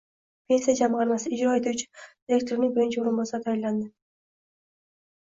Pensiya jamg‘armasi ijro etuvchi direktorining birinchi o‘rinbosari tayinlanding